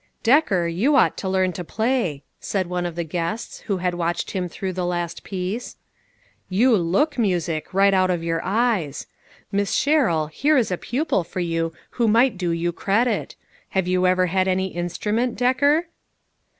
" Decker, you ought to learn to play," said one of the guests who had watched him through the last piece. "You look music, right out of your eyes. Miss Sherrill, here is a pupil for you who might do you credit. Have you ever had any instrument, Decker